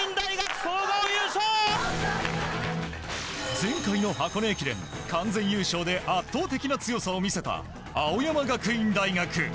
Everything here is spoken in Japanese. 前回の箱根駅伝完全優勝で圧倒的な強さを見せた青山学院大学。